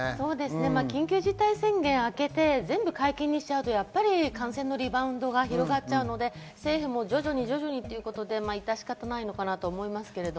緊急事態宣言があけて全部解禁にすると、感染のリバウンドが広がるので政府も徐々にということで致し方ないと思います。